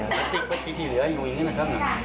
พลาติกพลาติกที่เหลืออยู่อย่างนี้นะครับ